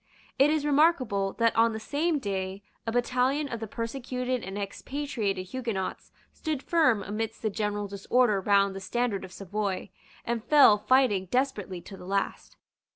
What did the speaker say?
It is remarkable that on the same day a battalion of the persecuted and expatriated Huguenots stood firm amidst the general disorder round the standard of Savoy, and fell fighting desperately to the last.